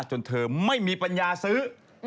จนเธอไม่มีปัญญาซื้อ